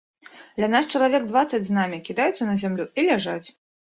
Ля нас чалавек дваццаць з намі, кідаюцца на зямлю і ляжаць.